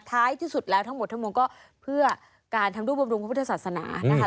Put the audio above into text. ท้ายที่สุดแล้วทั้งหมดทั้งมวลก็เพื่อการทำรูปบำรุงพระพุทธศาสนานะคะ